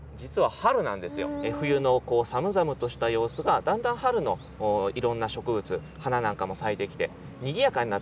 冬のこう寒々とした様子がだんだん春のいろんな植物花なんかも咲いてきてにぎやかになっていく。